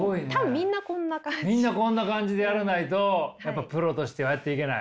みんなこんな感じでやらないとやっぱプロとしてはやっていけない？